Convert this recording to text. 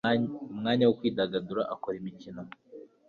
umwanya wo kwidagadura akora imikino